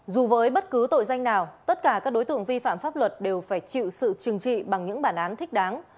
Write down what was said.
dù với bất cứ tội danh nào tất cả các đối tượng vi phạm pháp luật đều phải chịu sự trừng trị bằng những bản án thích đáng